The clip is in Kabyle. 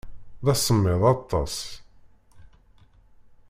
D asemmiḍ aṭas.